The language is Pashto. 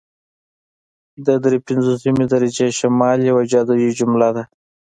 د دري پنځوسمې درجې شمال یوه جادويي جمله ده